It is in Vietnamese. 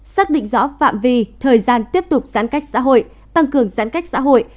xác định rõ phạm vi thời gian tiếp tục giãn cách xã hội tăng cường giãn cách xã hội